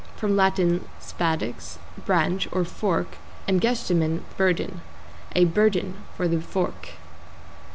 From Lat. spadix, branch, or fork, and gestamen, burden. A burden for the fork.